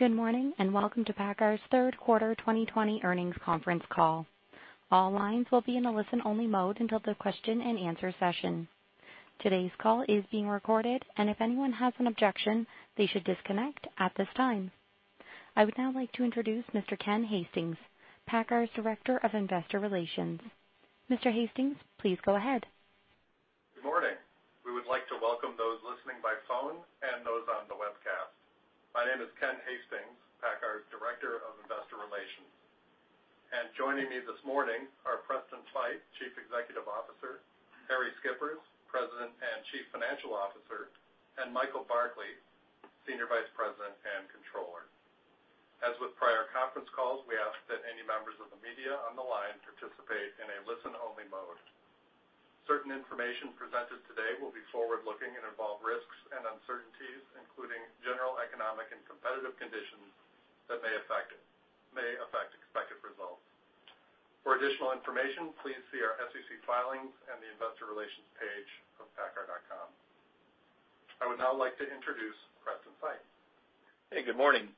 Good morning and welcome to PACCAR's third quarter 2020 earnings conference call. All lines will be in a listen-only mode until the question-and-answer session. Today's call is being recorded, and if anyone has an objection, they should disconnect at this time. I would now like to introduce Mr. Ken Hastings, PACCAR's Director of Investor Relations. Mr. Hastings, please go ahead. Good morning. We would like to welcome those listening by phone and those on the webcast. My name is Ken Hastings, PACCAR's Director of Investor Relations, and joining me this morning are Preston Feight, Chief Executive Officer, Harrie Schippers, President and Chief Financial Officer, and Michael Barkley, Senior Vice President and Controller. As with prior conference calls, we ask that any members of the media on the line participate in a listen-only mode. Certain information presented today will be forward-looking and involve risks and uncertainties, including general economic and competitive conditions that may affect expected results. For additional information, please see our SEC filings and the Investor Relations page of paccar.com. I would now like to introduce Preston Feight. Hey, good morning.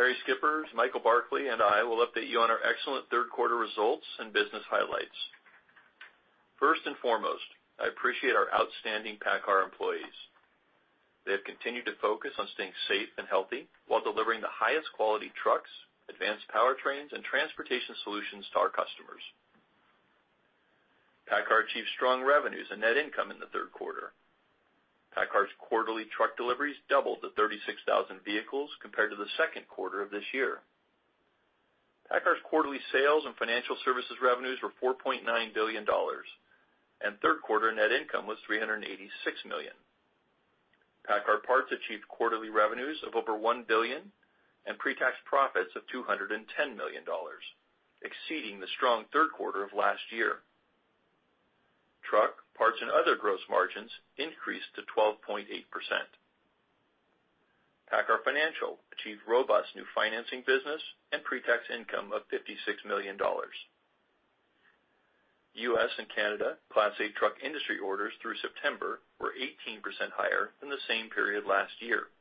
Harrie Schippers, Michael Barkley, and I will update you on our excellent third quarter results and business highlights. First and foremost, I appreciate our outstanding PACCAR employees. They have continued to focus on staying safe and healthy while delivering the highest quality trucks, advanced powertrains, and transportation solutions to our customers. PACCAR achieved strong revenues and net income in the third quarter. PACCAR's quarterly truck deliveries doubled to 36,000 vehicles compared to the second quarter of this year. PACCAR's quarterly sales and financial services revenues were $4.9 billion, and third quarter net income was $386 million. PACCAR Parts achieved quarterly revenues of over $1 billion and pre-tax profits of $210 million, exceeding the strong third quarter of last year. Truck, parts, and other gross margins increased to 12.8%. PACCAR Financial achieved robust new financing business and pre-tax income of $56 million. U.S. and Canada Class A truck industry orders through September were 18% higher than the same period last year.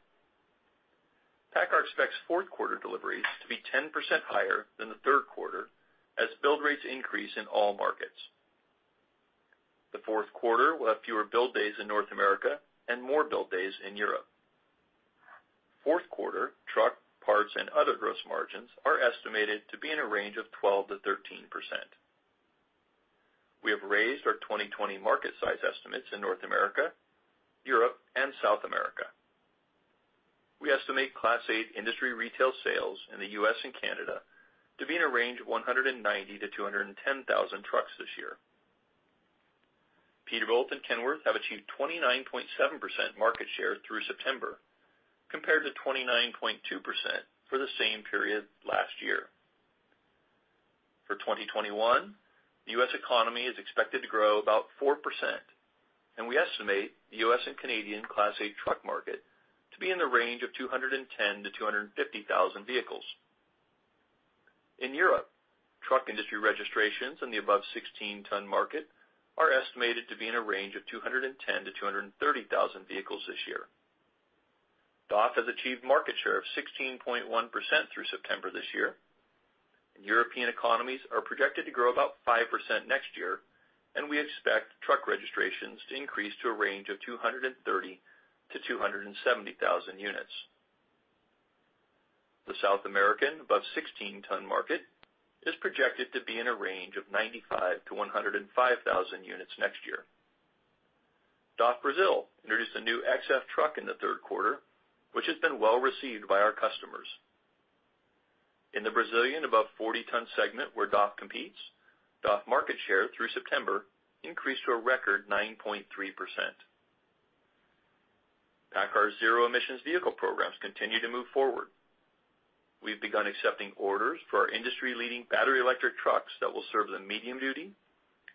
PACCAR expects fourth quarter deliveries to be 10% higher than the third quarter as build rates increase in all markets. The fourth quarter will have fewer build days in North America and more build days in Europe. Fourth quarter truck, parts, and other gross margins are estimated to be in a range of 12%-13%. We have raised our 2020 market size estimates in North America, Europe, and South America. We estimate Class A industry retail sales in the U.S. and Canada to be in a range of 190-210 thousand trucks this year. Peterbilt and Kenworth have achieved 29.7% market share through September compared to 29.2% for the same period last year. For 2021, the U.S. economy is expected to grow about 4%, and we estimate the U.S. and Canadian Class 8 truck market to be in the range of 210-250 thousand vehicles. In Europe, truck industry registrations in the above 16-ton market are estimated to be in a range of 210-230 thousand vehicles this year. DAF has achieved market share of 16.1% through September this year. European economies are projected to grow about 5% next year, and we expect truck registrations to increase to a range of 230-270 thousand units. The South American above 16-ton market is projected to be in a range of 95-105 thousand units next year. DAF Brazil introduced a new XF truck in the third quarter, which has been well received by our customers. In the Brazilian above 40-ton segment where DAF competes, DAF market share through September increased to a record 9.3%. PACCAR's zero-emissions vehicle programs continue to move forward. We've begun accepting orders for our industry-leading battery electric trucks that will serve the medium-duty,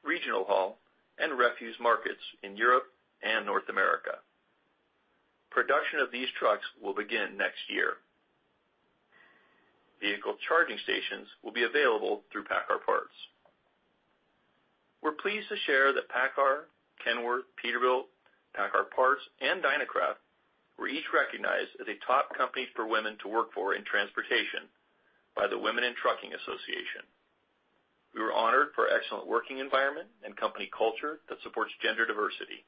regional haul, and refuse markets in Europe and North America. Production of these trucks will begin next year. Vehicle charging stations will be available through PACCAR Parts. We're pleased to share that PACCAR, Kenworth, Peterbilt, PACCAR Parts, and Dynacraft were each recognized as a top company for women to work for in transportation by the Women in Trucking Association. We were honored for our excellent working environment and company culture that supports gender diversity.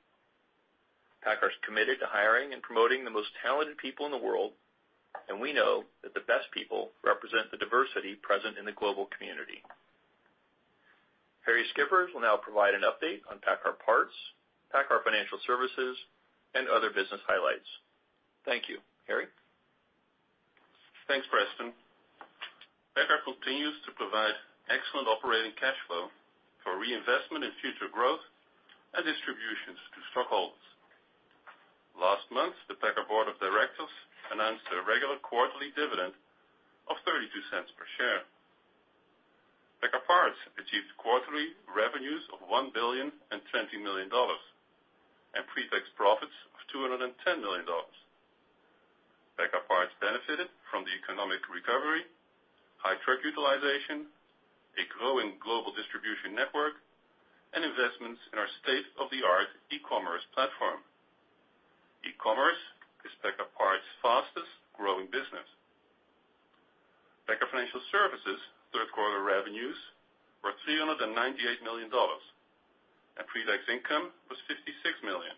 PACCAR is committed to hiring and promoting the most talented people in the world, and we know that the best people represent the diversity present in the global community. Harrie Schippers will now provide an update on PACCAR Parts, PACCAR Financial Services, and other business highlights. Thank you, Harrie. Thanks, Preston. PACCAR continues to provide excellent operating cash flow for reinvestment in future growth and distributions to stockholders. Last month, the PACCAR Board of Directors announced a regular quarterly dividend of $0.32 per share. PACCAR Parts achieved quarterly revenues of $1 billion and $20 million and pre-tax profits of $210 million. PACCAR Parts benefited from the economic recovery, high truck utilization, a growing global distribution network, and investments in our state-of-the-art e-commerce platform. E-commerce is PACCAR Parts' fastest-growing business. PACCAR Financial Services' third quarter revenues were $398 million, and pre-tax income was $56 million.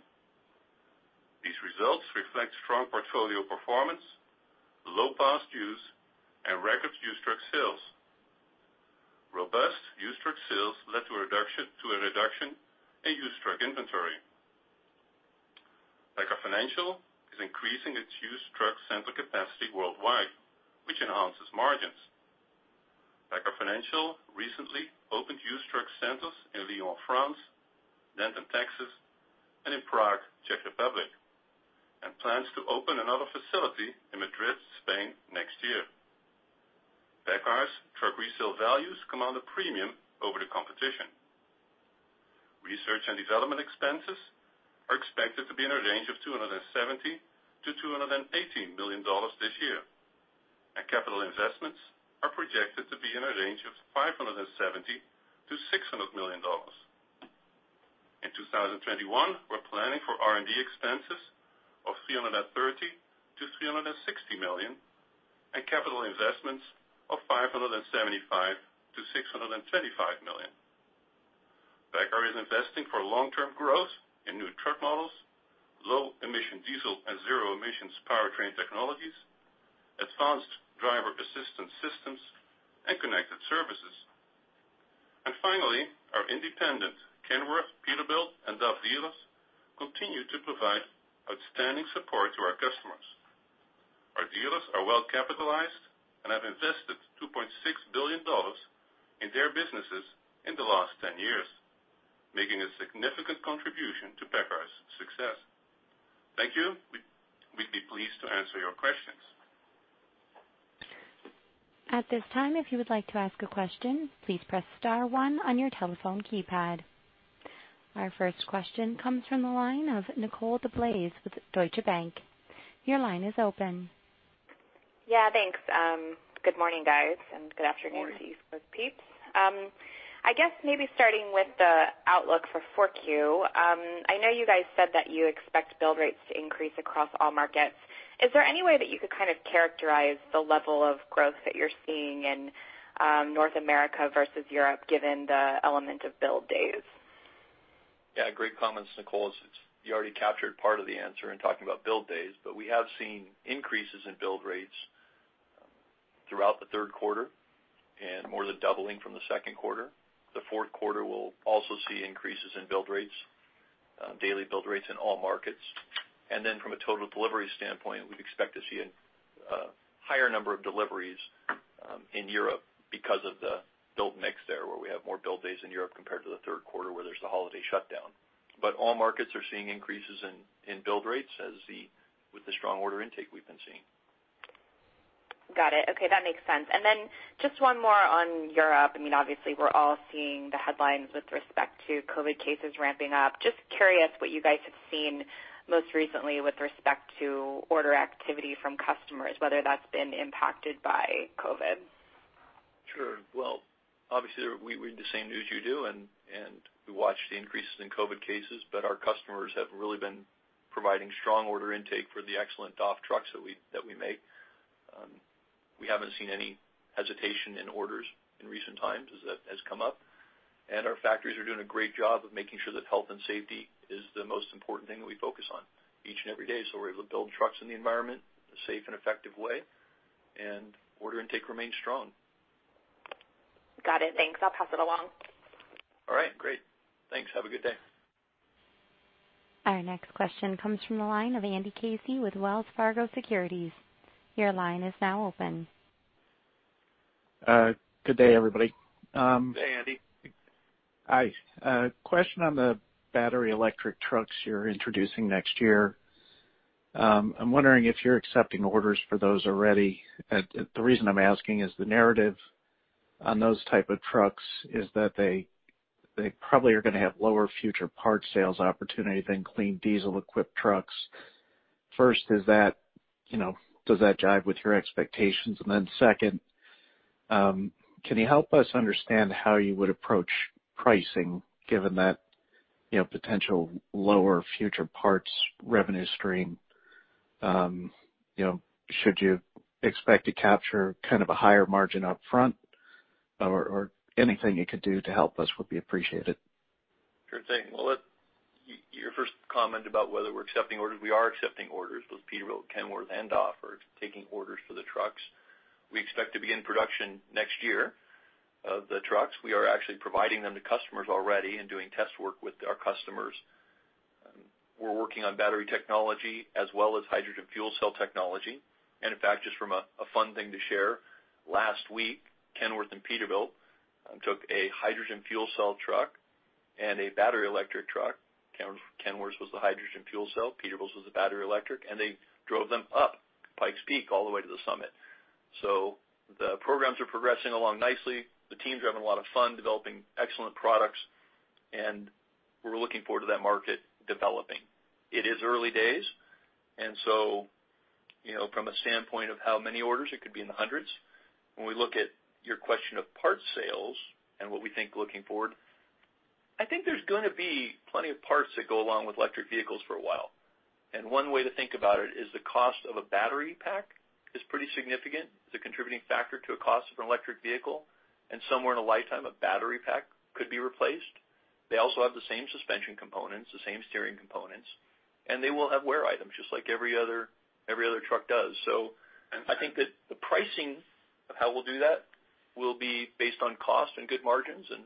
These results reflect strong portfolio performance, low past dues, and record used truck sales. Robust used truck sales led to a reduction in used truck inventory. PACCAR Financial is increasing its used truck center capacity worldwide, which enhances margins. PACCAR Financial recently opened used truck centers in Lyon, France, Denton, Texas, and in Prague, Czech Republic, and plans to open another facility in Madrid, Spain, next year. PACCAR's truck resale values command a premium over the competition. Research and development expenses are expected to be in a range of $270 million to $218 million this year, and capital investments are projected to be in a range of $570 million to $600 million. In 2021, we're planning for R&D expenses of $330 million to $360 million and capital investments of $575 million to $625 million. PACCAR is investing for long-term growth in new truck models, low-emission diesel and zero-emissions powertrain technologies, advanced driver assistance systems, and connected services, and finally, our independent Kenworth, Peterbilt, and DAF dealers continue to provide outstanding support to our customers. Our dealers are well capitalized and have invested $2.6 billion in their businesses in the last 10 years, making a significant contribution to PACCAR's success. Thank you. We'd be pleased to answer your questions. At this time, if you would like to ask a question, please press star one on your telephone keypad. Our first question comes from the line of Nicole DeBlase with Deutsche Bank. Your line is open. Yeah, thanks. Good morning, guys, and good afternoon to you in Europe. I guess maybe starting with the outlook for 4Q, I know you guys said that you expect build rates to increase across all markets. Is there any way that you could kind of characterize the level of growth that you're seeing in North America versus Europe, given the element of build days? Yeah, great comments, Nicole. You already captured part of the answer in talking about build days, but we have seen increases in build rates throughout the third quarter and more than doubling from the second quarter. The fourth quarter will also see increases in build rates, daily build rates in all markets. And then from a total delivery standpoint, we'd expect to see a higher number of deliveries in Europe because of the build mix there, where we have more build days in Europe compared to the third quarter where there's the holiday shutdown. But all markets are seeing increases in build rates with the strong order intake we've been seeing. Got it. Okay, that makes sense. And then just one more on Europe. I mean, obviously, we're all seeing the headlines with respect to COVID cases ramping up. Just curious what you guys have seen most recently with respect to order activity from customers, whether that's been impacted by COVID? Sure. Well, obviously, we read the same news you do, and we watched the increases in COVID cases, but our customers have really been providing strong order intake for the excellent DAF trucks that we make. We haven't seen any hesitation in orders in recent times as that has come up. And our factories are doing a great job of making sure that health and safety is the most important thing that we focus on each and every day so we're able to build trucks in the environment in a safe and effective way, and order intake remains strong. Got it. Thanks. I'll pass it along. All right. Great. Thanks. Have a good day. Our next question comes from the line of Andy Casey with Wells Fargo Securities. Your line is now open. Good day, everybody. Hey, Andy. Hi. Question on the battery electric trucks you're introducing next year. I'm wondering if you're accepting orders for those already. The reason I'm asking is the narrative on those type of trucks is that they probably are going to have lower future parts sales opportunity than clean diesel equipped trucks. First, does that jive with your expectations? And then second, can you help us understand how you would approach pricing given that potential lower future parts revenue stream? Should you expect to capture kind of a higher margin upfront, or anything you could do to help us would be appreciated? Sure thing. Well, your first comment about whether we're accepting orders, we are accepting orders with Peterbilt, Kenworth, and DAF for taking orders for the trucks. We expect to begin production next year of the trucks. We are actually providing them to customers already and doing test work with our customers. We're working on battery technology as well as hydrogen fuel cell technology. And in fact, just from a fun thing to share, last week, Kenworth and Peterbilt took a hydrogen fuel cell truck and a battery electric truck. Kenworth was the hydrogen fuel cell, Peterbilt was the battery electric, and they drove them up Pikes Peak all the way to the summit. So the programs are progressing along nicely. The teams are having a lot of fun developing excellent products, and we're looking forward to that market developing. It is early days, and so from a standpoint of how many orders, it could be in the hundreds. When we look at your question of parts sales and what we think looking forward, I think there's going to be plenty of parts that go along with electric vehicles for a while. And one way to think about it is the cost of a battery pack is pretty significant. It's a contributing factor to a cost of an electric vehicle, and somewhere in a lifetime, a battery pack could be replaced. They also have the same suspension components, the same steering components, and they will have wear items just like every other truck does. So I think that the pricing of how we'll do that will be based on cost and good margins. And,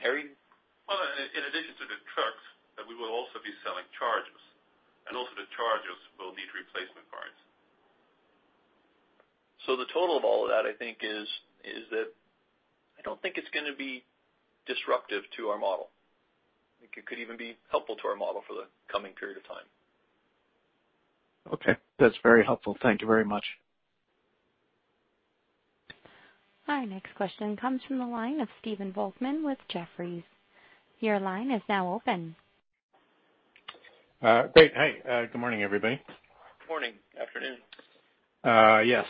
Harrie? In addition to the trucks, we will also be selling chargers, and also the chargers will need replacement parts. So the total of all of that, I think, is that I don't think it's going to be disruptive to our model. It could even be helpful to our model for the coming period of time. Okay. That's very helpful. Thank you very much. Our next question comes from the line of Stephen Volkmann with Jefferies. Your line is now open. Great. Hi. Good morning, everybody. Morning. Afternoon. Yes.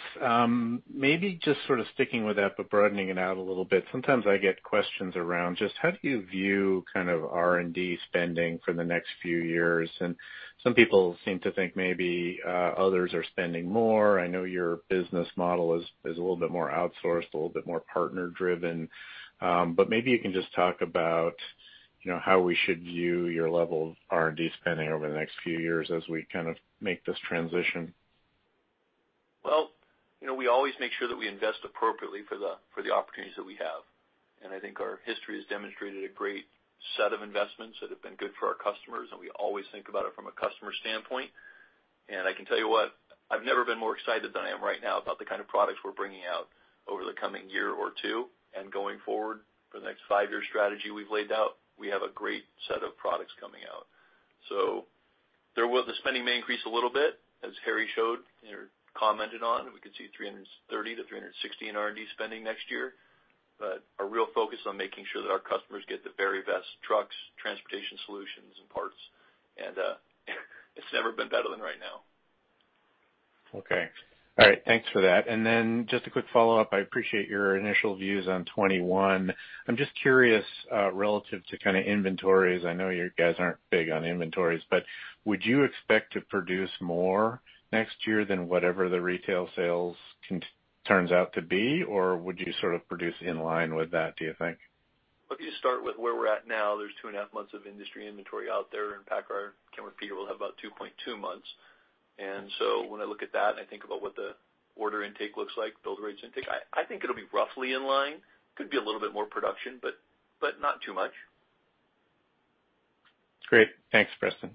Maybe just sort of sticking with that, but broadening it out a little bit. Sometimes I get questions around just how do you view kind of R&D spending for the next few years, and some people seem to think maybe others are spending more. I know your business model is a little bit more outsourced, a little bit more partner-driven, but maybe you can just talk about how we should view your level of R&D spending over the next few years as we kind of make this transition. We always make sure that we invest appropriately for the opportunities that we have. I think our history has demonstrated a great set of investments that have been good for our customers, and we always think about it from a customer standpoint. I can tell you what, I've never been more excited than I am right now about the kind of products we're bringing out over the coming year or two. Going forward for the next five-year strategy we've laid out, we have a great set of products coming out. The spending may increase a little bit, as Harrie showed and commented on. We could see 330-360 in R&D spending next year, but our real focus is on making sure that our customers get the very best trucks, transportation solutions, and parts. It's never been better than right now. Okay. All right. Thanks for that. And then just a quick follow-up. I appreciate your initial views on 2021. I'm just curious relative to kind of inventories. I know you guys aren't big on inventories, but would you expect to produce more next year than whatever the retail sales turns out to be, or would you sort of produce in line with that, do you think? If you start with where we're at now, there's two and a half months of industry inventory out there, and PACCAR Kenworth Peterbilt will have about 2.2 months. And so when I look at that and I think about what the order intake looks like, build rates intake, I think it'll be roughly in line. It could be a little bit more production, but not too much. Great. Thanks, Preston.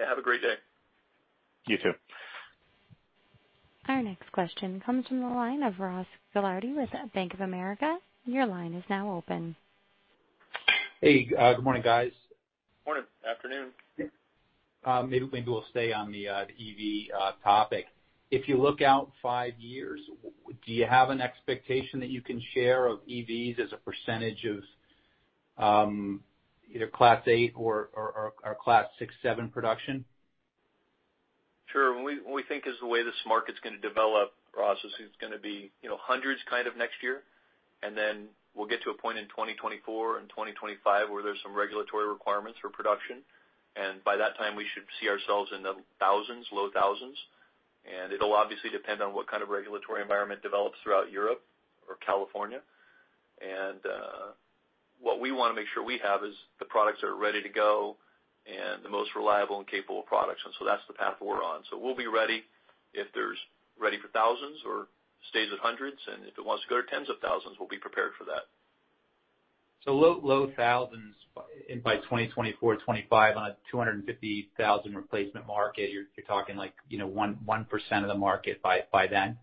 Yeah. Have a great day. You too. Our next question comes from the line of Ross Gilardi with Bank of America. Your line is now open. Hey. Good morning, guys. Morning. Afternoon. Maybe we'll stay on the EV topic. If you look out five years, do you have an expectation that you can share of EVs as a percentage of either Class 8 or Class 6, 7 production? Sure. What we think is the way this market's going to develop, Ross, is it's going to be hundreds kind of next year, and then we'll get to a point in 2024 and 2025 where there's some regulatory requirements for production, and by that time, we should see ourselves in the thousands, low thousands. It'll obviously depend on what kind of regulatory environment develops throughout Europe or California. What we want to make sure we have is the products that are ready to go and the most reliable and capable products, and so that's the path we're on. We'll be ready if there's ready for thousands or stays at hundreds, and if it wants to go to tens of thousands, we'll be prepared for that. So low thousands by 2024, 2025 on a 250,000 replacement market. You're talking like 1% of the market by then.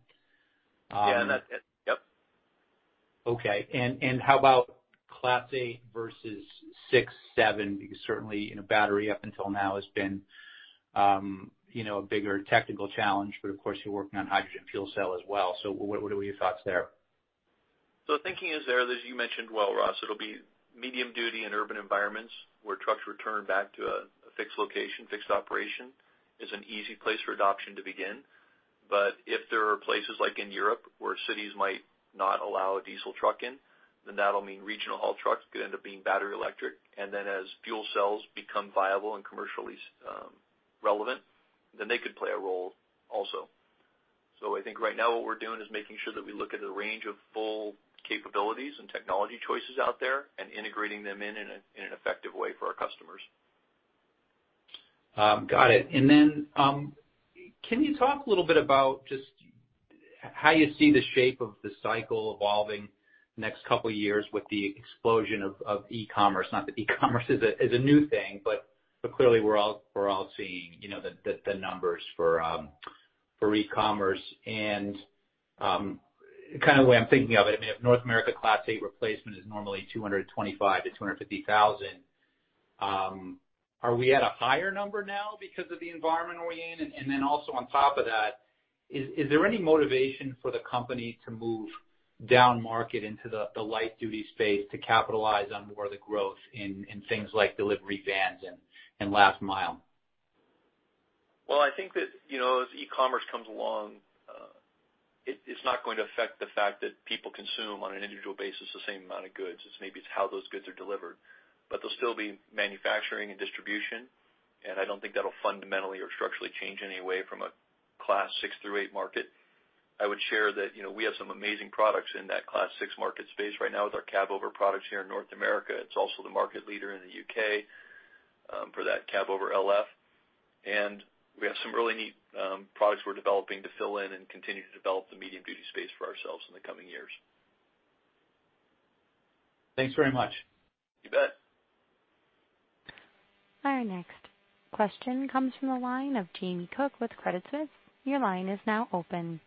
Yeah. Yep. Okay and how about Class 8 versus 6, 7? Because certainly, battery up until now has been a bigger technical challenge, but of course, you're working on hydrogen fuel cell as well, so what are your thoughts there? So the thinking is there, as you mentioned, well, Ross. It'll be medium duty in urban environments where trucks return back to a fixed location. Fixed operation is an easy place for adoption to begin. But if there are places like in Europe where cities might not allow a diesel truck in, then that'll mean regional haul trucks could end up being battery electric. And then as fuel cells become viable and commercially relevant, then they could play a role also. So I think right now what we're doing is making sure that we look at the range of full capabilities and technology choices out there and integrating them in an effective way for our customers. Got it. And then can you talk a little bit about just how you see the shape of the cycle evolving next couple of years with the explosion of e-commerce? Not that e-commerce is a new thing, but clearly we're all seeing the numbers for e-commerce. And kind of the way I'm thinking of it, I mean, if North America Class 8 replacement is normally 225-250 thousand, are we at a higher number now because of the environment we're in? And then also on top of that, is there any motivation for the company to move down market into the light-duty space to capitalize on more of the growth in things like delivery vans and last mile? I think that as e-commerce comes along, it's not going to affect the fact that people consume on an individual basis the same amount of goods. It's maybe how those goods are delivered, but there'll still be manufacturing and distribution. I don't think that'll fundamentally or structurally change anyway from a Class 6 through 8 market. I would share that we have some amazing products in that Class 6 market space right now with our Cabover products here in North America. It's also the market leader in the U.K. for that Cabover LF. We have some really neat products we're developing to fill in and continue to develop the medium-duty space for ourselves in the coming years. Thanks very much. You bet. Our next question comes from the line of Jamie Cook with Credit Suisse. Your line is now open.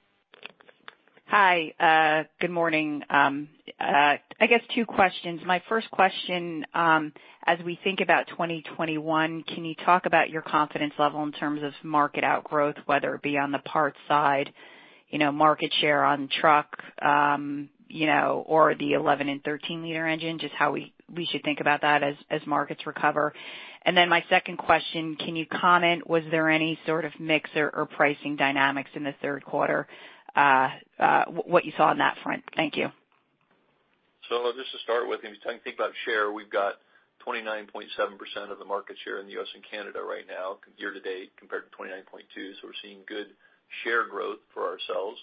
Hi. Good morning. I guess two questions. My first question, as we think about 2021, can you talk about your confidence level in terms of market outgrowth, whether it be on the parts side, market share on truck, or the 11 L and 13 L engine, just how we should think about that as markets recover? And then my second question, can you comment, was there any sort of mix or pricing dynamics in the third quarter, what you saw on that front? Thank you. Just to start with, if you think about share, we've got 29.7% of the market share in the U.S. and Canada right now year to date compared to 29.2%. We're seeing good share growth for ourselves.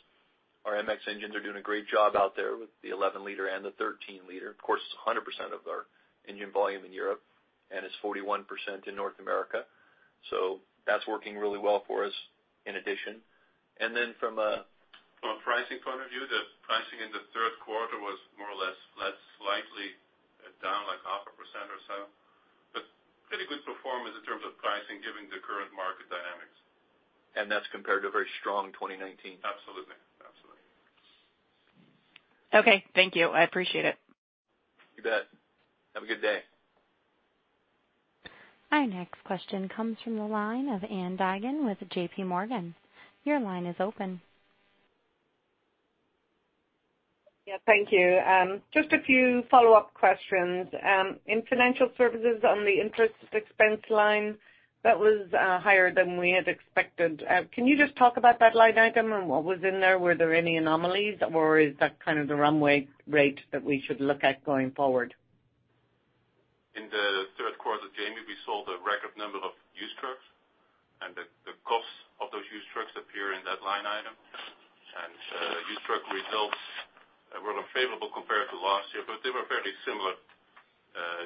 Our MX engines are doing a great job out there with the 11 L and the 13 L. Of course, it's 100% of our engine volume in Europe, and it's 41% in North America. That's working really well for us in addition. Then from a pricing point of view, the pricing in the third quarter was more or less slightly down, like 0.5% or so, but pretty good performance in terms of pricing given the current market dynamics. That's compared to a very strong 2019. Absolutely. Absolutely. Okay. Thank you. I appreciate it. You bet. Have a good day. Our next question comes from the line of Ann Duignan with JPMorgan. Your line is open. Yeah. Thank you. Just a few follow-up questions. In financial services on the interest expense line, that was higher than we had expected. Can you just talk about that line item and what was in there? Were there any anomalies, or is that kind of the run rate that we should look at going forward? In the third quarter with Jamie, we saw the record number of used trucks, and the cost of those used trucks appear in that line item, and used truck results were unfavorable compared to last year, but they were fairly similar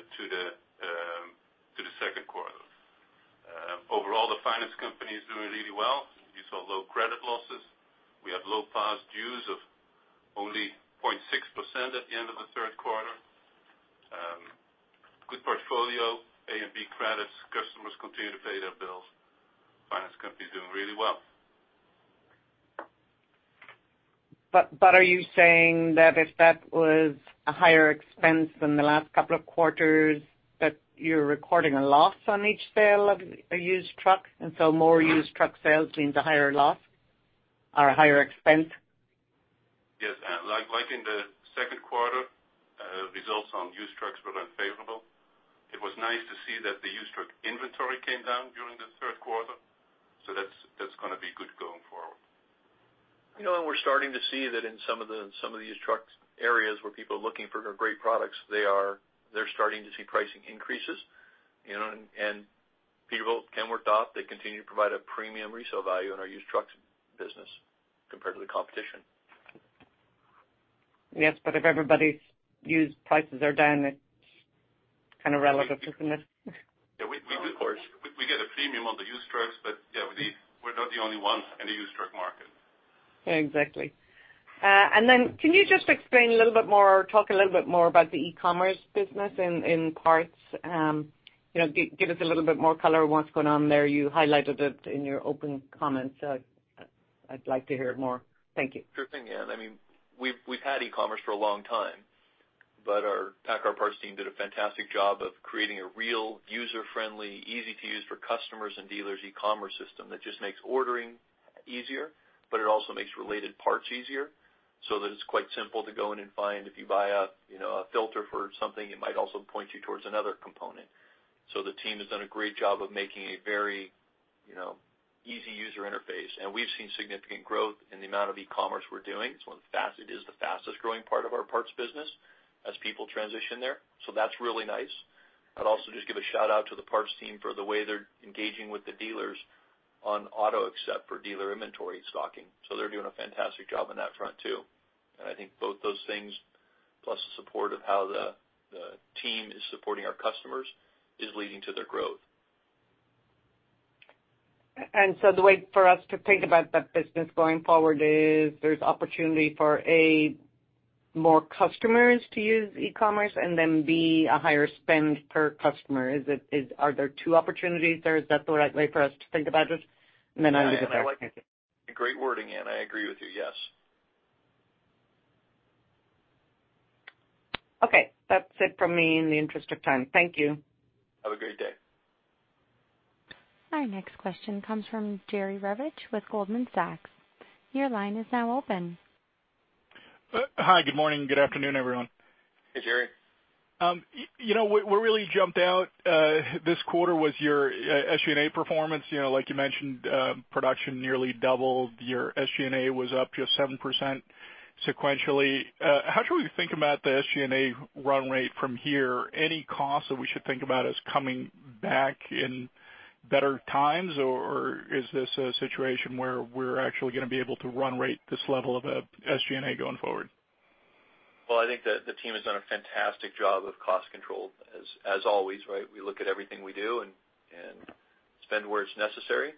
to the second quarter. Overall, the finance company is doing really well. We saw low credit losses. We had low past dues of only 0.6% at the end of the third quarter. Good portfolio, A and B credits. Customers continue to pay their bills. Finance company is doing really well. But are you saying that if that was a higher expense than the last couple of quarters, that you're recording a loss on each sale of a used truck? And so more used truck sales means a higher loss or a higher expense? Yes. Like in the second quarter, results on used trucks were unfavorable. It was nice to see that the used truck inventory came down during the third quarter. So that's going to be good going forward. We're starting to see that in some of the used truck areas where people are looking for great products, they're starting to see pricing increases. And Peterbilt and Kenworth, they continue to provide a premium resale value in our used truck business compared to the competition. Yes, but if everybody's used prices are down, it's kind of relative to the next quarter. Yeah. We get a premium on the used trucks, but yeah, we're not the only one in the used truck market. Exactly. And then can you just explain a little bit more or talk a little bit more about the e-commerce business in parts? Give us a little bit more color of what's going on there. You highlighted it in your open comment, so I'd like to hear it more. Thank you. Sure thing, yeah. I mean, we've had e-commerce for a long time, but our PACCAR Parts team did a fantastic job of creating a real user-friendly, easy-to-use for customers and dealers e-commerce system that just makes ordering easier, but it also makes related parts easier so that it's quite simple to go in and find if you buy a filter for something, it might also point you towards another component. So the team has done a great job of making a very easy user interface. And we've seen significant growth in the amount of e-commerce we're doing. It's one of the fastest growing parts of our parts business as people transition there. So that's really nice. I'd also just give a shout-out to the parts team for the way they're engaging with the dealers on auto accept for dealer inventory stocking. So they're doing a fantastic job on that front too. And I think both those things, plus the support of how the team is supporting our customers, is leading to their growth. And so the way for us to think about that business going forward is there's opportunity for, A, more customers to use e-commerce, and then, B, a higher spend per customer. Are there two opportunities there? Is that the right way for us to think about it? And then I'll leave it there. Yeah. I like it. Great wording, Ann. I agree with you. Yes. Okay. That's it from me in the interest of time. Thank you. Have a great day. Our next question comes from Jerry Revich with Goldman Sachs. Your line is now open. Hi. Good morning. Good afternoon, everyone. Hey, Jerry. What really jumped out this quarter was your SG&A performance. Like you mentioned, production nearly doubled. Your SG&A was up just 7% sequentially. How should we think about the SG&A run rate from here? Any costs that we should think about as coming back in better times, or is this a situation where we're actually going to be able to run rate this level of SG&A going forward? I think the team has done a fantastic job of cost control, as always, right? We look at everything we do and spend where it's necessary.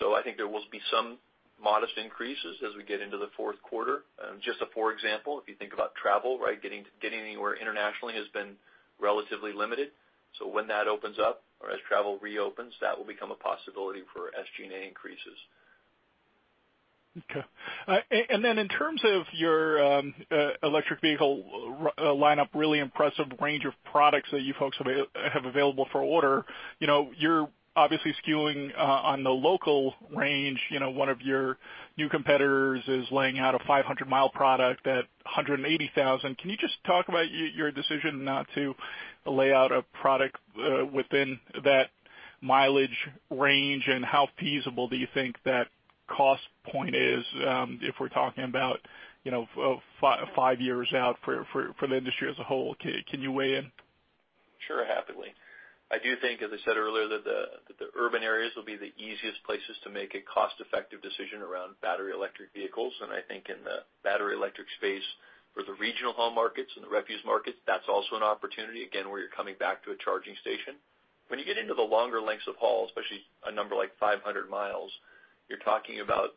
I think there will be some modest increases as we get into the fourth quarter. Just a poor example, if you think about travel, right, getting anywhere internationally has been relatively limited. When that opens up or as travel reopens, that will become a possibility for SG&A increases. Okay. And then in terms of your electric vehicle lineup, really impressive range of products that you folks have available for order. You're obviously skewing on the local range. One of your new competitors is laying out a 500-mile product at $180,000. Can you just talk about your decision not to lay out a product within that mileage range, and how feasible do you think that cost point is if we're talking about five years out for the industry as a whole? Can you weigh in? Sure, happily. I do think, as I said earlier, that the urban areas will be the easiest places to make a cost-effective decision around battery electric vehicles. And I think in the battery electric space for the regional haul markets and the refuse markets, that's also an opportunity, again, where you're coming back to a charging station. When you get into the longer lengths of haul, especially a number like 500 miles, you're talking about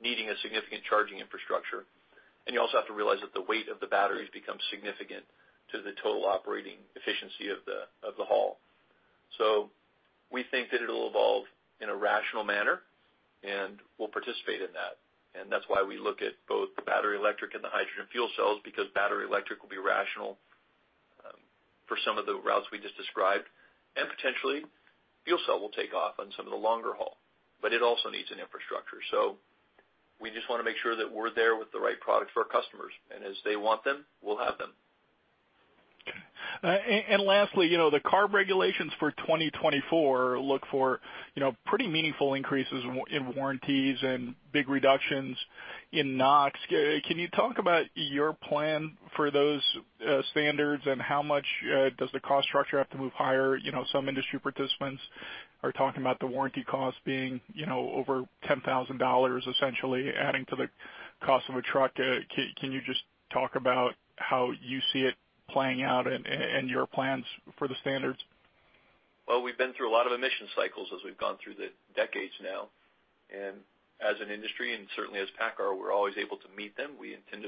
needing a significant charging infrastructure. And you also have to realize that the weight of the batteries becomes significant to the total operating efficiency of the haul. So we think that it'll evolve in a rational manner, and we'll participate in that. And that's why we look at both the battery electric and the hydrogen fuel cells, because battery electric will be rational for some of the routes we just described. And potentially, fuel cell will take off on some of the longer haul, but it also needs an infrastructure. So we just want to make sure that we're there with the right products for our customers. And as they want them, we'll have them. Okay. And lastly, the CARB regulations for 2024 look for pretty meaningful increases in warranties and big reductions in NOx. Can you talk about your plan for those standards, and how much does the cost structure have to move higher? Some industry participants are talking about the warranty cost being over $10,000, essentially adding to the cost of a truck. Can you just talk about how you see it playing out and your plans for the standards? Well, we've been through a lot of emission cycles as we've gone through the decades now. And as an industry, and certainly as PACCAR, we're always able to meet them. We intend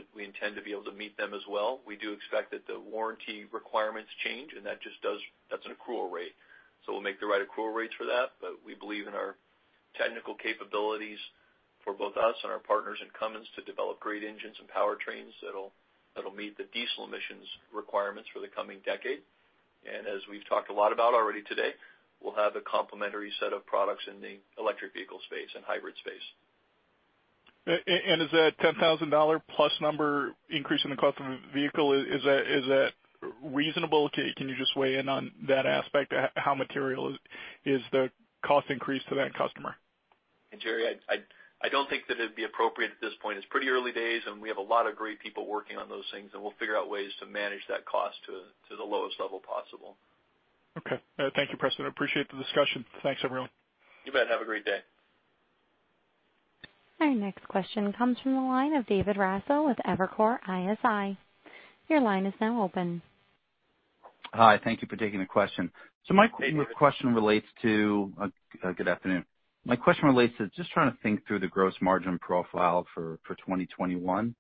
to be able to meet them as well. We do expect that the warranty requirements change, and that's an accrual rate. So we'll make the right accrual rates for that. But we believe in our technical capabilities for both us and our partners in Cummins to develop great engines and powertrains that'll meet the diesel emissions requirements for the coming decade. And as we've talked a lot about already today, we'll have a complementary set of products in the electric vehicle space and hybrid space. And is that $10,000 plus number increase in the cost of a vehicle, is that reasonable? Can you just weigh in on that aspect, how material is the cost increase to that customer? And Jerry, I don't think that it'd be appropriate at this point. It's pretty early days, and we have a lot of great people working on those things, and we'll figure out ways to manage that cost to the lowest level possible. Okay. Thank you, Preston. Appreciate the discussion. Thanks, everyone. You bet. Have a great day. Our next question comes from the line of David Raso with Evercore ISI. Your line is now open. Hi. Thank you for taking the question. My question relates to just trying to think through the gross margin profile for 2021.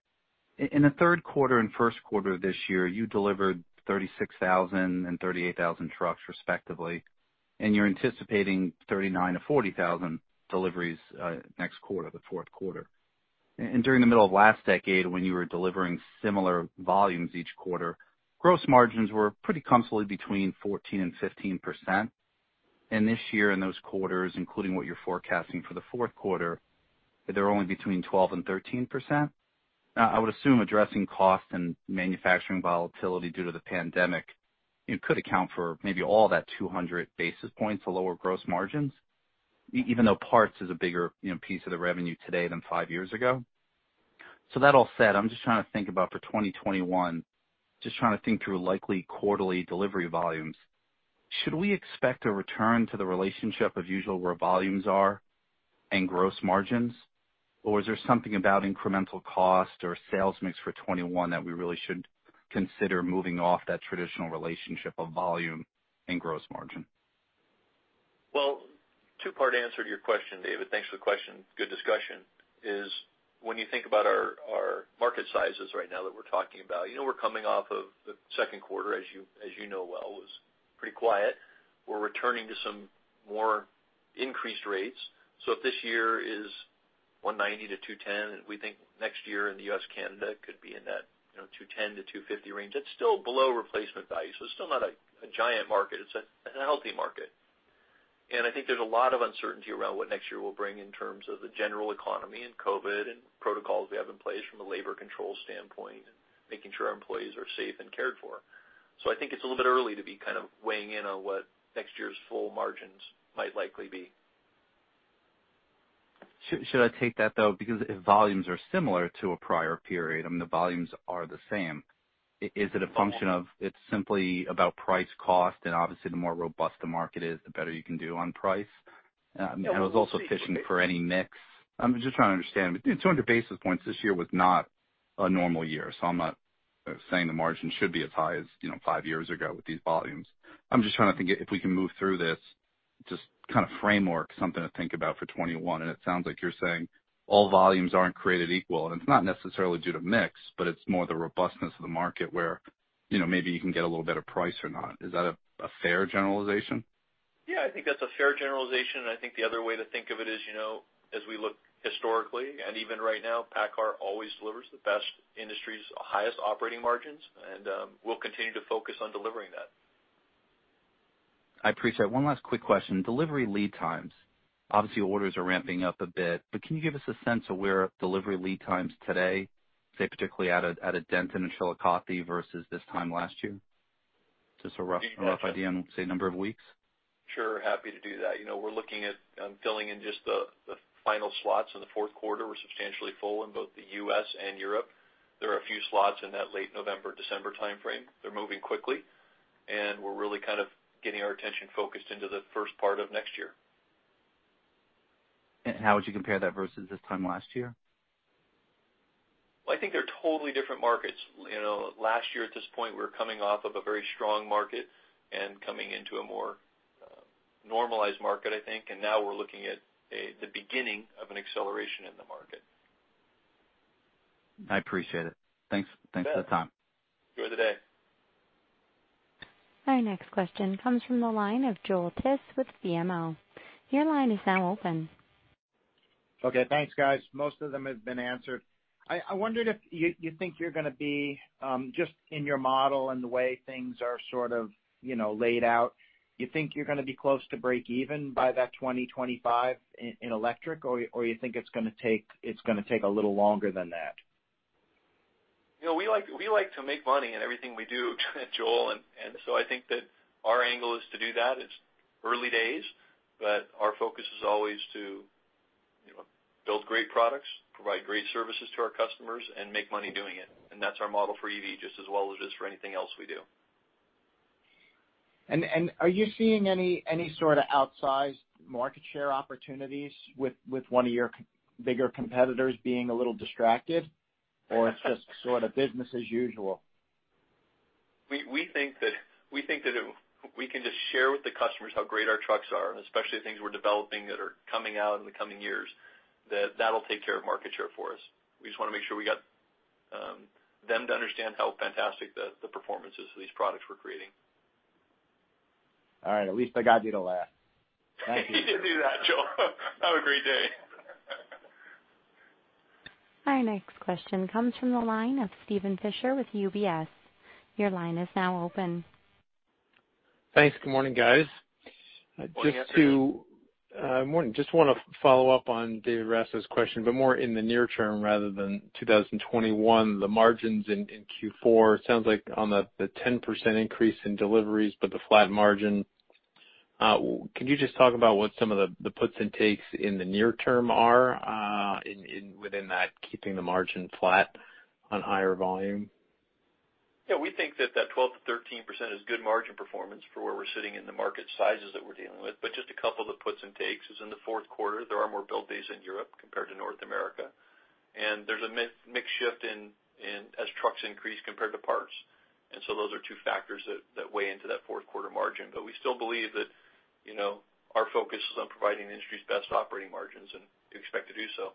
In the third quarter and first quarter of this year, you delivered 36,000 and 38,000 trucks respectively, and you're anticipating 39,000 to 40,000 deliveries next quarter, the fourth quarter, and during the middle of last decade, when you were delivering similar volumes each quarter, gross margins were pretty comfortably between 14% and 15%, and this year, in those quarters, including what you're forecasting for the fourth quarter, they're only between 12% and 13%. I would assume addressing cost and manufacturing volatility due to the pandemic could account for maybe all that 200 basis points of lower gross margins, even though parts is a bigger piece of the revenue today than five years ago. So that all said, I'm just trying to think about for 2021, just trying to think through likely quarterly delivery volumes. Should we expect a return to the relationship of usual where volumes are and gross margins, or is there something about incremental cost or sales mix for 2021 that we really should consider moving off that traditional relationship of volume and gross margin? Well, two-part answer to your question, David. Thanks for the question. Good discussion. When you think about our market sizes right now that we're talking about, we're coming off of the second quarter, as you know well, was pretty quiet. We're returning to some more increased rates. So if this year is 190-210, we think next year in the U.S., Canada could be in that 210-250 range. That's still below replacement value. So it's still not a giant market. It's a healthy market. And I think there's a lot of uncertainty around what next year will bring in terms of the general economy and COVID and protocols we have in place from a labor control standpoint, making sure our employees are safe and cared for. So I think it's a little bit early to be kind of weighing in on what next year's full margins might likely be. Should I take that, though? Because if volumes are similar to a prior period, I mean, the volumes are the same. Is it a function of it's simply about price cost? And obviously, the more robust the market is, the better you can do on price. And I was also fishing for any mix. I'm just trying to understand. 200 basis points this year was not a normal year. So I'm not saying the margin should be as high as five years ago with these volumes. I'm just trying to think if we can move through this just kind of framework, something to think about for 2021. And it sounds like you're saying all volumes aren't created equal. And it's not necessarily due to mix, but it's more the robustness of the market where maybe you can get a little better price or not. Is that a fair generalization? Yeah. I think that's a fair generalization. And I think the other way to think of it is, as we look historically and even right now, PACCAR always delivers the best industry's highest operating margins, and we'll continue to focus on delivering that. I appreciate it. One last quick question. Delivery lead times, obviously, orders are ramping up a bit, but can you give us a sense of where delivery lead times today, say, particularly at Denton and Chillicothe versus this time last year? Just a rough idea and, say, number of weeks. Sure. Happy to do that. We're looking at filling in just the final slots in the fourth quarter. We're substantially full in both the U.S. and Europe. There are a few slots in that late November, December timeframe. They're moving quickly, and we're really kind of getting our attention focused into the first part of next year. How would you compare that versus this time last year? I think they're totally different markets. Last year, at this point, we were coming off of a very strong market and coming into a more normalized market, I think. Now we're looking at the beginning of an acceleration in the market. I appreciate it. Thanks for the time. Enjoy the day. Our next question comes from the line of Joel Tiss with BMO. Your line is now open. Okay. Thanks, guys. Most of them have been answered. I wondered if you think you're going to be just in your model and the way things are sort of laid out, you think you're going to be close to break even by that 2025 in electric, or you think it's going to take a little longer than that? Yeah. We like to make money in everything we do, Joel. And so I think that our angle is to do that. It's early days, but our focus is always to build great products, provide great services to our customers, and make money doing it. And that's our model for EV, just as well as just for anything else we do. Are you seeing any sort of outsized market share opportunities with one of your bigger competitors being a little distracted, or it's just sort of business as usual? We think that we can just share with the customers how great our trucks are, and especially things we're developing that are coming out in the coming years, that that'll take care of market share for us. We just want to make sure we got them to understand how fantastic the performance is of these products we're creating. All right. At least I got you to laugh. You did do that, Joel. Have a great day. Our next question comes from the line of Steven Fisher with UBS. Your line is now open. Thanks. Good morning, guys. Good morning, too. Just want to follow up on David Raso's question, but more in the near term rather than 2021, the margins in Q4. It sounds like on the 10% increase in deliveries, but the flat margin. Could you just talk about what some of the puts and takes in the near term are within that, keeping the margin flat on higher volume? Yeah. We think that that 12%-13% is good margin performance for where we're sitting in the market sizes that we're dealing with. But just a couple of the puts and takes is in the fourth quarter, there are more build days in Europe compared to North America. And there's a mixed shift as trucks increase compared to parts. And so those are two factors that weigh into that fourth quarter margin. But we still believe that our focus is on providing the industry's best operating margins, and we expect to do so.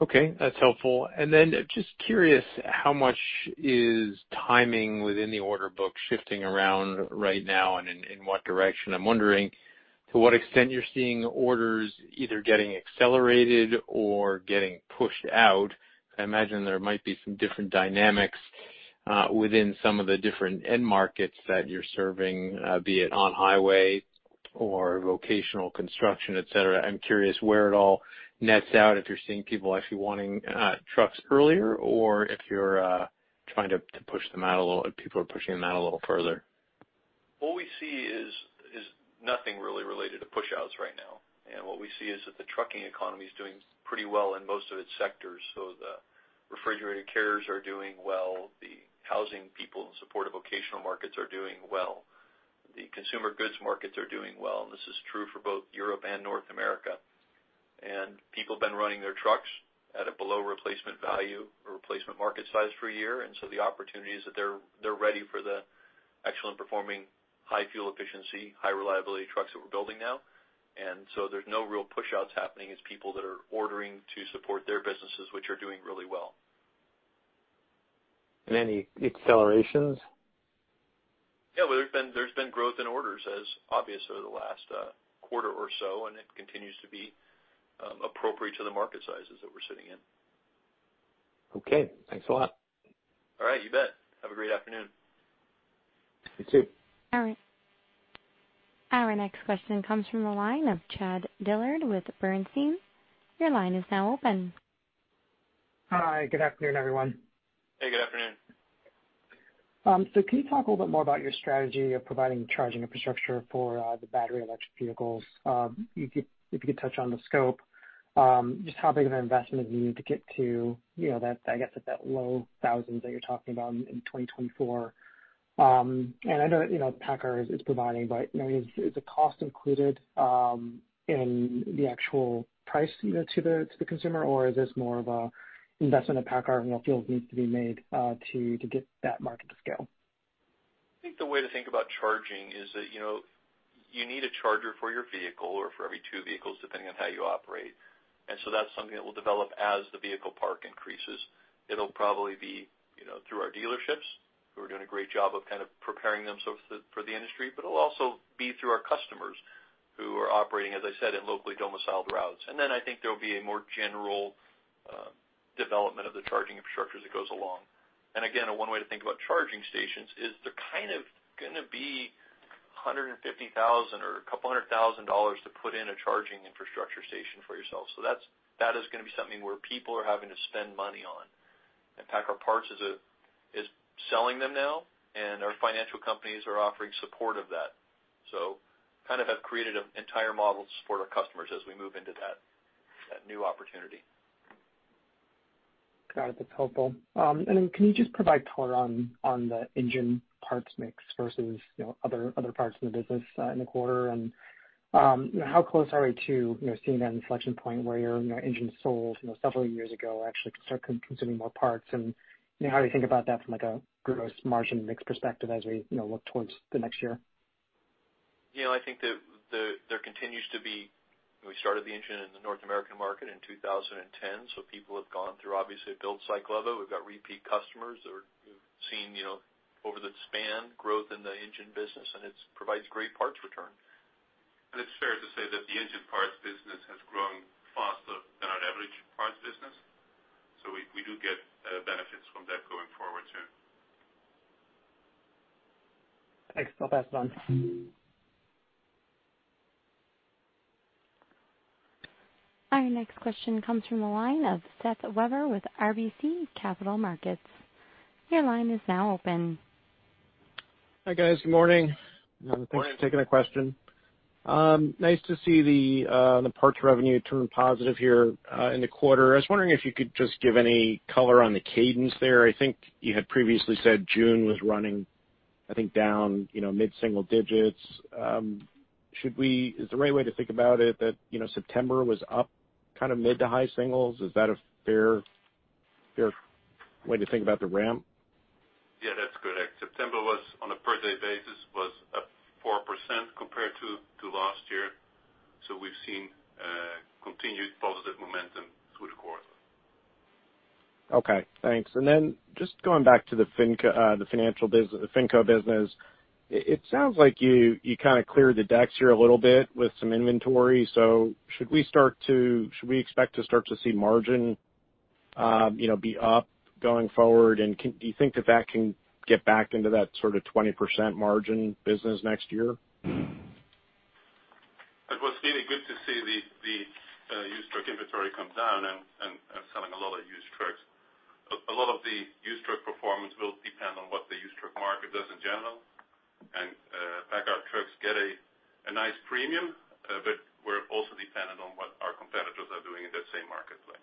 Okay. That's helpful. And then just curious, how much is timing within the order book shifting around right now and in what direction? I'm wondering to what extent you're seeing orders either getting accelerated or getting pushed out. I imagine there might be some different dynamics within some of the different end markets that you're serving, be it on highway or vocational construction, etc. I'm curious where it all nets out if you're seeing people actually wanting trucks earlier or if you're trying to push them out a little and people are pushing them out a little further. What we see is nothing really related to push-outs right now. And what we see is that the trucking economy is doing pretty well in most of its sectors. So the refrigerated carriers are doing well. The housing people in support of vocational markets are doing well. The consumer goods markets are doing well. And this is true for both Europe and North America. And people have been running their trucks at a below replacement value or replacement market size for a year. And so the opportunity is that they're ready for the excellent-performing, high-fuel efficiency, high-reliability trucks that we're building now. And so there's no real push-outs happening. It's people that are ordering to support their businesses, which are doing really well. Any accelerations? Yeah. Well, there's been growth in orders, as obvious over the last quarter or so, and it continues to be appropriate to the market sizes that we're sitting in. Okay. Thanks a lot. All right. You bet. Have a great afternoon. You too. All right. Our next question comes from the line of Chad Dillard with Bernstein. Your line is now open. Hi. Good afternoon, everyone. Hey. Good afternoon. So can you talk a little bit more about your strategy of providing charging infrastructure for the battery electric vehicles? If you could touch on the scope, just how big of an investment is needed to get to, I guess, at that low thousands that you're talking about in 2024? And I know PACCAR is providing, but is the cost included in the actual price to the consumer, or is this more of an investment that PACCAR feels needs to be made to get that market to scale? I think the way to think about charging is that you need a charger for your vehicle or for every two vehicles, depending on how you operate, and so that's something that will develop as the vehicle park increases. It'll probably be through our dealerships, who are doing a great job of kind of preparing themselves for the industry, but it'll also be through our customers who are operating, as I said, in locally domiciled routes, and then I think there will be a more general development of the charging infrastructure that goes along, and again, one way to think about charging stations is they're kind of going to be $150,000 or a couple of hundred thousand dollars to put in a charging infrastructure station for yourself, so that is going to be something where people are having to spend money on. And PACCAR Parts is selling them now, and our financial companies are offering support of that. So kind of have created an entire model to support our customers as we move into that new opportunity. Got it. That's helpful. And then can you just provide color on the engine parts mix versus other parts in the business in the quarter? And how close are we to seeing that inflection point where your engine sold several years ago actually start consuming more parts? And how do you think about that from a gross margin mix perspective as we look towards the next year? I think that there continues to be. We started the engine in the North American market in 2010, so people have gone through, obviously, a build cycle of it. We've got repeat customers that have seen over the span growth in the engine business, and it provides great parts return, and it's fair to say that the engine parts business has grown faster than our average parts business, so we do get benefits from that going forward too. Thanks. I'll pass it on. Our next question comes from the line of Seth Weber with RBC Capital Markets. Your line is now open. Hi, guys. Good morning. Thanks for taking a question. Nice to see the parts revenue turn positive here in the quarter. I was wondering if you could just give any color on the cadence there. I think you had previously said June was running, I think, down mid-single digits. Is the right way to think about it that September was up kind of mid to high singles? Is that a fair way to think about the ramp? Yeah. That's good. September, on a per day basis, was up 4% compared to last year. So we've seen continued positive momentum through the quarter. Okay. Thanks. And then just going back to the FinCo business, it sounds like you kind of cleared the decks here a little bit with some inventory. So should we expect to start to see margin be up going forward? And do you think that can get back into that sort of 20% margin business next year? It will be good to see the used truck inventory come down and selling a lot of used trucks. A lot of the used truck performance will depend on what the used truck market does in general, and PACCAR trucks get a nice premium, but we're also dependent on what our competitors are doing in that same marketplace.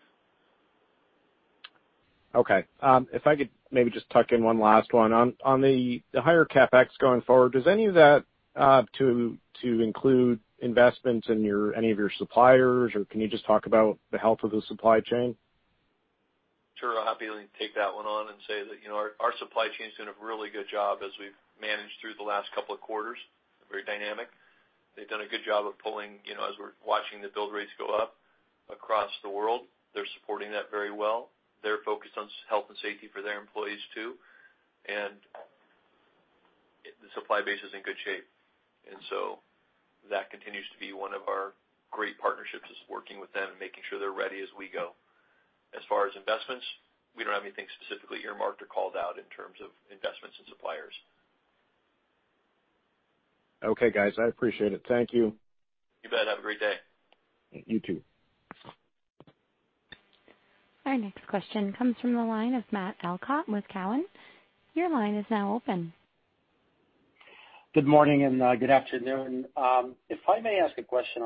Okay. If I could maybe just tuck in one last one. On the higher CapEx going forward, does any of that have to include investments in any of your suppliers, or can you just talk about the health of the supply chain? Sure. I'll happily take that one on and say that our supply chain's doing a really good job as we've managed through the last couple of quarters. They're very dynamic. They've done a good job of pulling as we're watching the build rates go up across the world. They're supporting that very well. They're focused on health and safety for their employees too. And the supply base is in good shape. And so that continues to be one of our great partnerships is working with them and making sure they're ready as we go. As far as investments, we don't have anything specifically earmarked or called out in terms of investments in suppliers. Okay, guys. I appreciate it. Thank you. You bet. Have a great day. You too. Our next question comes from the line of Matt Elkott with Cowen. Your line is now open. Good morning and good afternoon. If I may ask a question,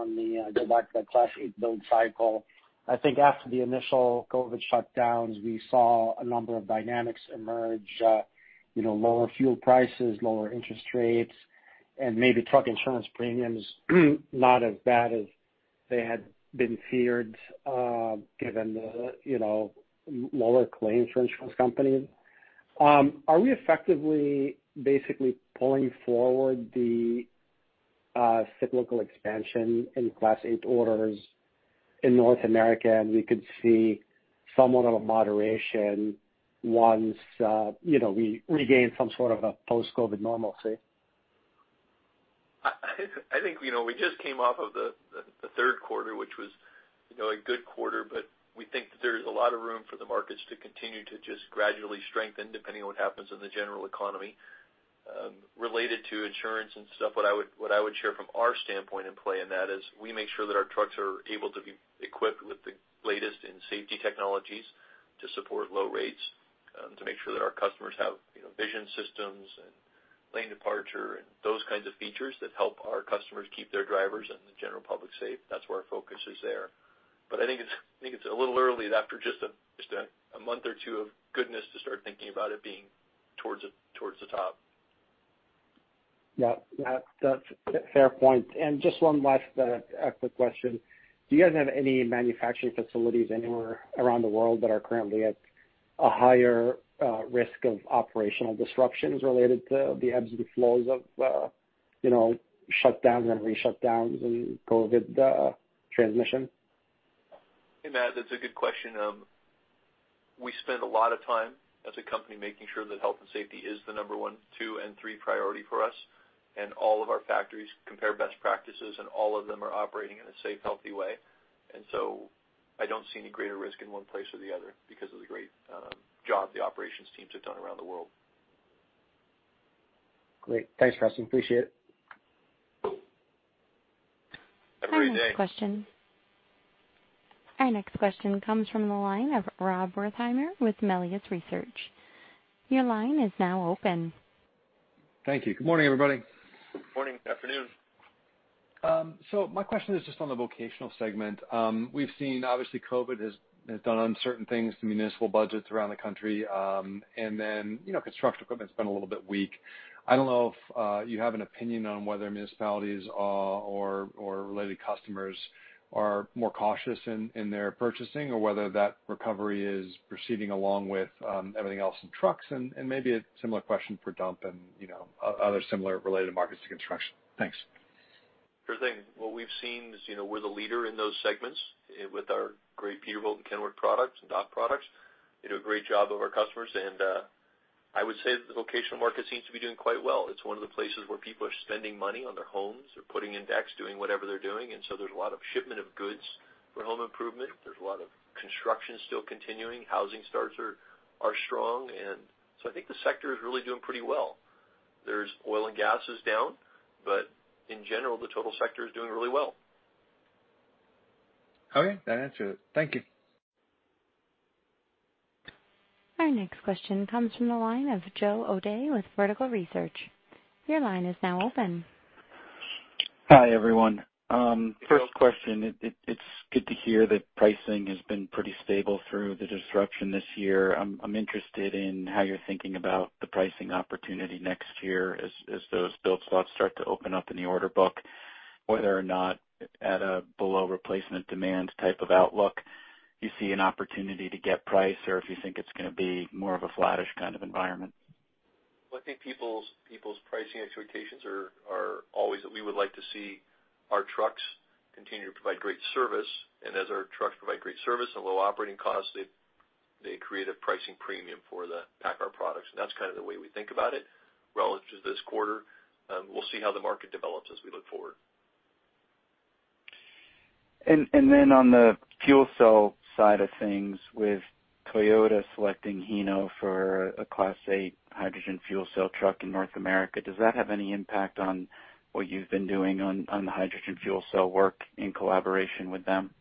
going back to that Class 8 build cycle, I think after the initial COVID shutdowns, we saw a number of dynamics emerge: lower fuel prices, lower interest rates, and maybe truck insurance premiums not as bad as they had been feared given the lower claims for insurance companies. Are we effectively basically pulling forward the cyclical expansion in Class 8 orders in North America, and we could see somewhat of a moderation once we regain some sort of a post-COVID normalcy? I think we just came off of the third quarter, which was a good quarter, but we think that there is a lot of room for the markets to continue to just gradually strengthen depending on what happens in the general economy. Related to insurance and stuff, what I would share from our standpoint and play in that is we make sure that our trucks are able to be equipped with the latest in safety technologies to support low rates, to make sure that our customers have vision systems and lane departure and those kinds of features that help our customers keep their drivers and the general public safe. That's where our focus is there. But I think it's a little early. After just a month or two of goodness to start thinking about it being towards the top. Yep. Yep. That's a fair point. And just one last quick question. Do you guys have any manufacturing facilities anywhere around the world that are currently at a higher risk of operational disruptions related to the ebbs and flows of shutdowns and reshutdowns and COVID transmission? That's a good question. We spend a lot of time as a company making sure that health and safety is the number one, two, and three priority for us. All of our factories compare best practices, and all of them are operating in a safe, healthy way. So I don't see any greater risk in one place or the other because of the great job the operations teams have done around the world. Great. Thanks for asking. Appreciate it. Have a great day. Our next question comes from the line of Rob Wertheimer with Melius Research. Your line is now open. Thank you. Good morning, everybody. Good morning. Good afternoon. My question is just on the vocational segment. We've seen, obviously, COVID has done uncertain things to municipal budgets around the country. And then construction equipment's been a little bit weak. I don't know if you have an opinion on whether municipalities or related customers are more cautious in their purchasing or whether that recovery is proceeding along with everything else in trucks? And maybe a similar question for dump and other similar related markets to construction. Thanks. Sure thing. What we've seen is we're the leader in those segments with our great Peterbilt and Kenworth products and DAF products. They do a great job of our customers, and I would say that the vocational market seems to be doing quite well. It's one of the places where people are spending money on their homes. They're putting in decks, doing whatever they're doing, and so there's a lot of shipment of goods for home improvement. There's a lot of construction still continuing. Housing starts are strong, and so I think the sector is really doing pretty well. There's oil and gas is down, but in general, the total sector is doing really well. Okay. That answered it. Thank you. Our next question comes from the line of Joe O'Dea with Vertical Research. Your line is now open. Hi, everyone. First question. It's good to hear that pricing has been pretty stable through the disruption this year. I'm interested in how you're thinking about the pricing opportunity next year as those build slots start to open up in the order book, whether or not at a below replacement demand type of outlook you see an opportunity to get price or if you think it's going to be more of a flattish kind of environment. Well, I think people's pricing expectations are always that we would like to see our trucks continue to provide great service. And as our trucks provide great service and low operating costs, they create a pricing premium for the PACCAR products. And that's kind of the way we think about it relative to this quarter. We'll see how the market develops as we look forward. And then on the fuel cell side of things with Toyota selecting Hino for a Class 8 hydrogen fuel cell truck in North America, does that have any impact on what you've been doing on the hydrogen fuel cell work in collaboration with them?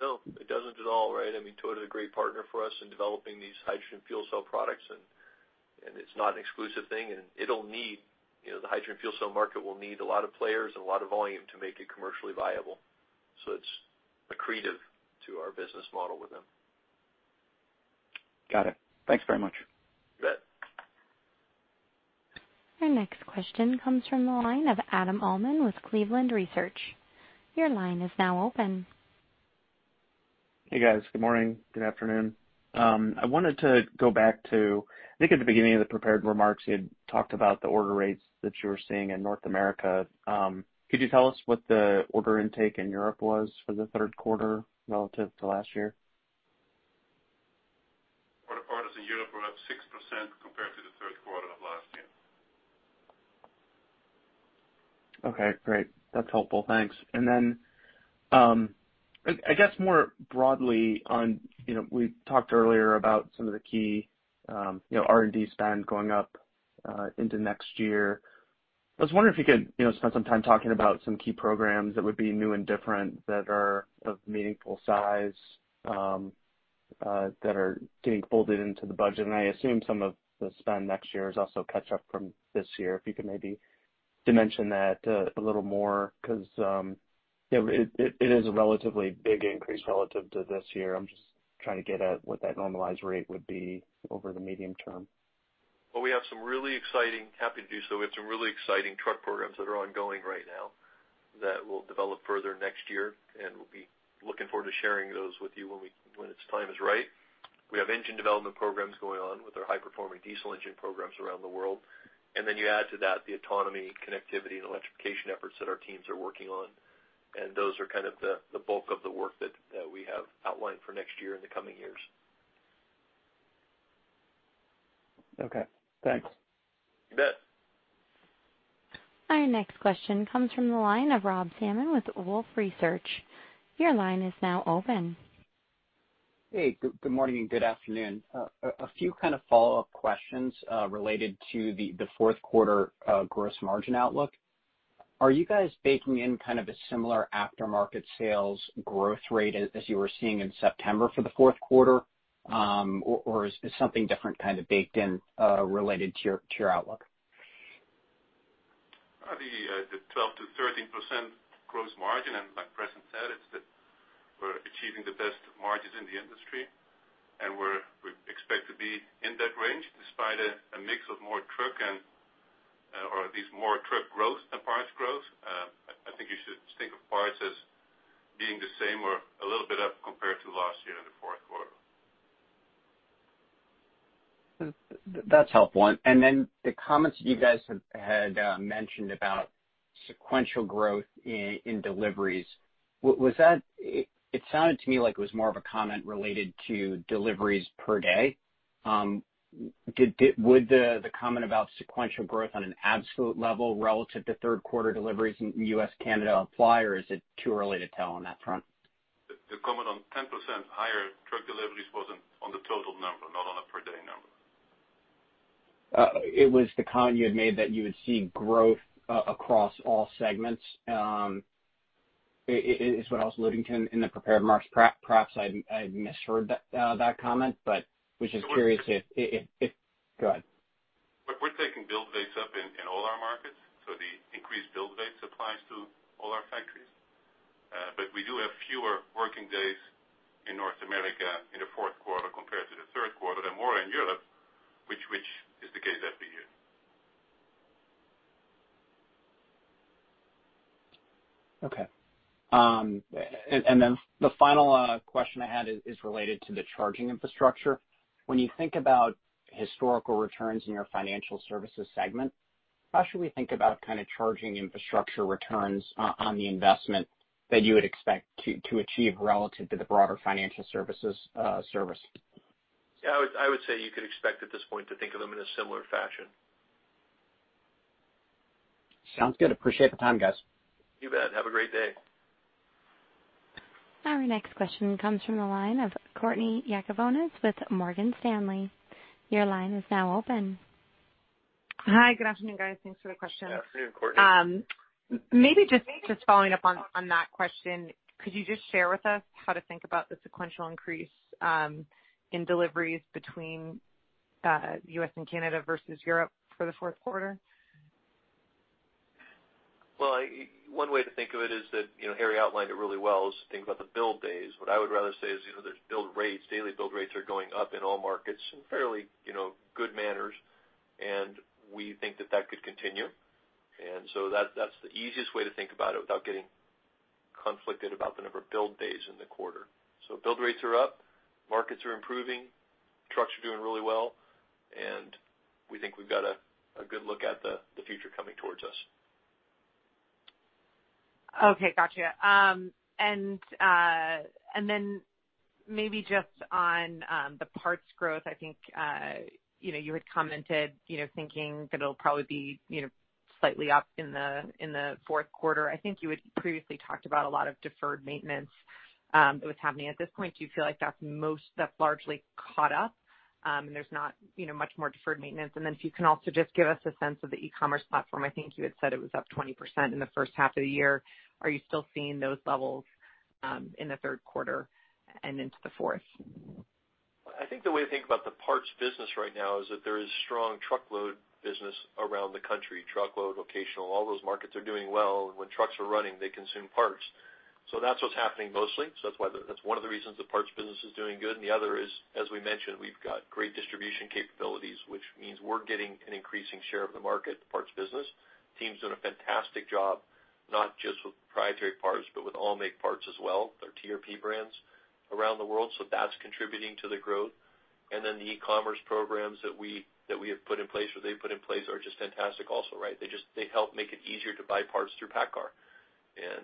No. It doesn't at all, right? I mean, Toyota's a great partner for us in developing these hydrogen fuel cell products, and it's not an exclusive thing, and the hydrogen fuel cell market will need a lot of players and a lot of volume to make it commercially viable, so it's accretive to our business model with them. Got it. Thanks very much. You bet. Our next question comes from the line of Adam Uhlman with Cleveland Research. Your line is now open. Hey, guys. Good morning. Good afternoon. I wanted to go back to I think at the beginning of the prepared remarks, you had talked about the order rates that you were seeing in North America. Could you tell us what the order intake in Europe was for the third quarter relative to last year? Orders parts in Europe were up 6% compared to the third quarter of last year. Okay. Great. That's helpful. Thanks. And then I guess more broadly, we talked earlier about some of the key R&D spend going up into next year. I was wondering if you could spend some time talking about some key programs that would be new and different that are of meaningful size, that are getting folded into the budget. And I assume some of the spend next year is also catch-up from this year. If you could maybe dimension that a little more because it is a relatively big increase relative to this year. I'm just trying to get at what that normalized rate would be over the medium term. We have some really exciting truck programs that are ongoing right now that will develop further next year, and we'll be looking forward to sharing those with you when its time is right. We have engine development programs going on with our high-performing diesel engine programs around the world, and then you add to that the autonomy, connectivity, and electrification efforts that our teams are working on, and those are kind of the bulk of the work that we have outlined for next year and the coming years. Okay. Thanks. You bet. Our next question comes from the line of Rob Salmon with Wolfe Research. Your line is now open. Hey. Good morning and good afternoon. A few kind of follow-up questions related to the fourth quarter gross margin outlook. Are you guys baking in kind of a similar aftermarket sales growth rate as you were seeing in September for the fourth quarter, or is something different kind of baked in related to your outlook? The 12%-13% gross margin, and like Preston said, it's that we're achieving the best margins in the industry, and we expect to be in that range despite a mix of more truck and or at least more truck growth than parts growth. I think you should think of parts as being the same or a little bit up compared to last year in the fourth quarter. That's helpful. And then the comments that you guys had mentioned about sequential growth in deliveries, it sounded to me like it was more of a comment related to deliveries per day. Would the comment about sequential growth on an absolute level relative to third quarter deliveries in U.S., Canada apply, or is it too early to tell on that front? The comment on 10% higher truck deliveries wasn't on the total number, not on a per day number. It was the comment you had made that you would see growth across all segments is what I was alluding to in the prepared remarks. Perhaps I misheard that comment, but was just curious if. Go ahead. We're taking build rates up in all our markets. So the increased build rates applies to all our factories. But we do have fewer working days in North America in the fourth quarter compared to the third quarter and more in Europe, which is the case every year. Okay, and then the final question I had is related to the charging infrastructure. When you think about historical returns in your Financial Services segment, how should we think about kind of charging infrastructure returns on the investment that you would expect to achieve relative to the broader financial services service? Yeah. I would say you could expect at this point to think of them in a similar fashion. Sounds good. Appreciate the time, guys. You bet. Have a great day. Our next question comes from the line of Courtney Yakavonis with Morgan Stanley. Your line is now open. Hi. Good afternoon, guys. Thanks for the question. Good afternoon, Courtney. Maybe just following up on that question, could you just share with us how to think about the sequential increase in deliveries between U.S. and Canada versus Europe for the fourth quarter? One way to think of it is that Harrie outlined it really well as thinking about the build days. What I would rather say is there's build rates. Daily build rates are going up in all markets in fairly good manners. We think that that could continue. That's the easiest way to think about it without getting conflicted about the number of build days in the quarter. Build rates are up, markets are improving, trucks are doing really well, and we think we've got a good look at the future coming towards us. Okay. Gotcha. And then maybe just on the parts growth, I think you had commented thinking that it'll probably be slightly up in the fourth quarter. I think you had previously talked about a lot of deferred maintenance that was happening. At this point, do you feel like that's largely caught up and there's not much more deferred maintenance? And then if you can also just give us a sense of the e-commerce platform, I think you had said it was up 20% in the first half of the year. Are you still seeing those levels in the third quarter and into the fourth? I think the way to think about the parts business right now is that there is strong truckload business around the country. Truckload, vocational, all those markets are doing well. And when trucks are running, they consume parts. So that's what's happening mostly. So that's one of the reasons the parts business is doing good. And the other is, as we mentioned, we've got great distribution capabilities, which means we're getting an increasing share of the market, the parts business. Teams doing a fantastic job, not just with proprietary parts, but with all-makes parts as well. Their TRP brands around the world. So that's contributing to the growth. And then the e-commerce programs that we have put in place or they've put in place are just fantastic also, right? They help make it easier to buy parts through PACCAR. And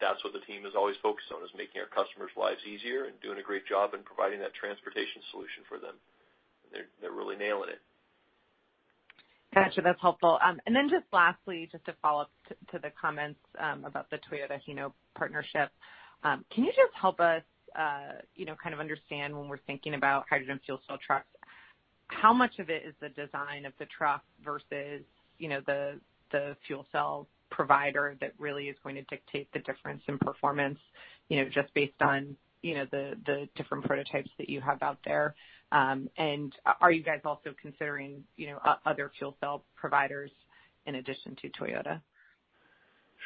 that's what the team is always focused on, is making our customers' lives easier and doing a great job in providing that transportation solution for them. They're really nailing it. Gotcha. That's helpful. And then just lastly, just to follow up to the comments about the Toyota-Hino partnership, can you just help us kind of understand when we're thinking about hydrogen fuel cell trucks, how much of it is the design of the truck versus the fuel cell provider that really is going to dictate the difference in performance just based on the different prototypes that you have out there? And are you guys also considering other fuel cell providers in addition to Toyota?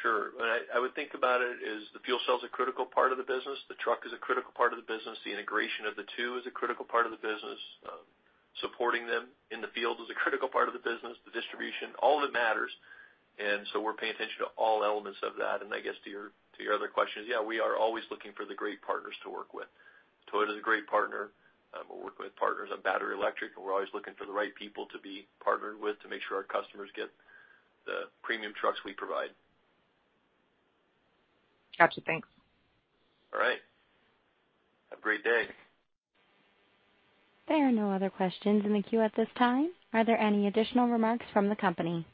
Sure. I would think about it as the fuel cell is a critical part of the business. The truck is a critical part of the business. The integration of the two is a critical part of the business. Supporting them in the field is a critical part of the business. The distribution, all of it matters. And so we're paying attention to all elements of that. And I guess to your other question, yeah, we are always looking for the great partners to work with. Toyota is a great partner. We're working with partners on battery electric. And we're always looking for the right people to be partnered with to make sure our customers get the premium trucks we provide. Gotcha. Thanks. All right. Have a great day. There are no other questions in the queue at this time. Are there any additional remarks from the company?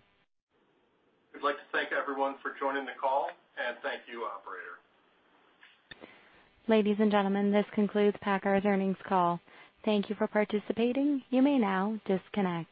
We'd like to thank everyone for joining the call. And thank you, operator. Ladies and gentlemen, this concludes PACCAR's earnings call. Thank you for participating. You may now disconnect.